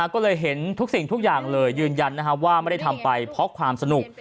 ก็เลยเห็นทุกสิ่งทุกอย่างเลยยืนยันว่าไม่ได้ทำไปเพราะความสนุก